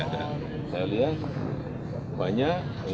saya lihat banyak ini yang ada dari lombok